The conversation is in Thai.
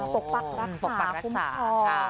ปกปักรักษาคุ้มครอง